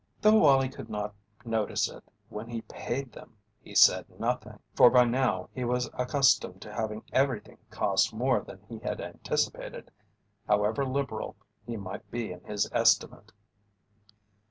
Though Wallie could not notice it when he paid them, he said nothing, for by now he was accustomed to having everything cost more than he had anticipated, however liberal he might be in his estimate.